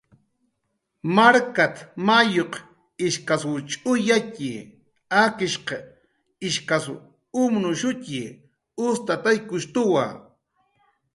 "Markat"" mayuq ishkasw ch'uyatxi, akishq ish umnushuwa, ustataykushtuwa"